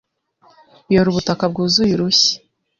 yora ubutaka bwuzuye urushyi,